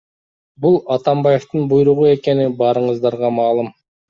Бул Атамбаевдин буйругу экени баарыңыздарга маалым .